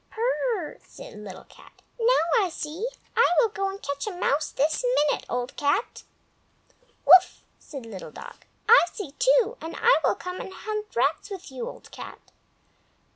"Prrr!" said Little Cat; "now I see. I will go and catch a mouse this minute, Old Cat." "Wuff!" said Little Dog; "I see, too, and I will come and hunt rats with you, Old Cat."